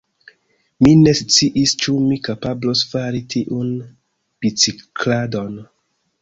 Mi ne sciis ĉu mi kapablos fari tiun bicikladon.